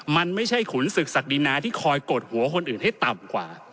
มันไม่ใช่ขุนศึกศักดินาที่คอยกดหัวคนอื่นให้ต่ำกว่า